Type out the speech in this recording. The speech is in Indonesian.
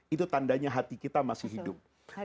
itu tandanya hati kita masih hidup